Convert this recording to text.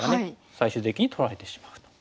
最終的に取られてしまう。